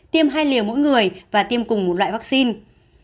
tiêm hai liều mỗi người và tiêm cùng một loại vaccine